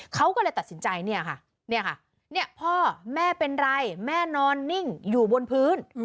เขาก็เลยตัดสินใจเนี่ยค่ะเนี่ยค่ะพ่อแม่เป็นไรแม่นอนนิ่งอยู่บนพื้น